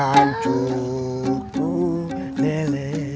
dan cukup lele